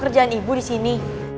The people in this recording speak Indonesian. kerjaan ibu di sini